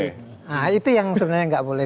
nah itu yang sebenarnya nggak boleh